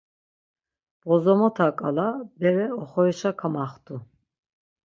Bozomotaǩala bere oxorişa kamaxtu.